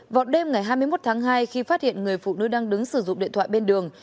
vào đêm ngày hai mươi một tháng hai khi phát hiện người phụ nữ đang đứng sử dụng điện thoại bên đường